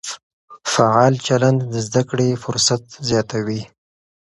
فعال چلند د زده کړې فرصت زیاتوي.